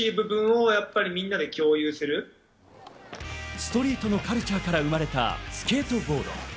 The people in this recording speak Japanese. ストリートのカルチャーから生まれたスケートボード。